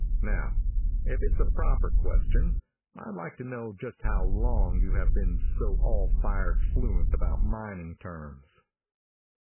Now, if it's a proper question, I'd like to know just how long you have been so all fired fluent about mining terms."